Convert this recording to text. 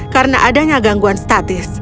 karena adanya gangguan statis